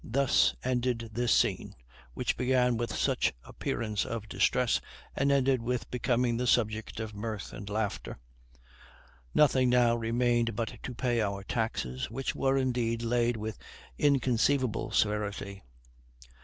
Thus ended this scene, which began with such appearance of distress, and ended with becoming the subject of mirth and laughter. Nothing now remained but to pay our taxes, which were indeed laid with inconceivable severity.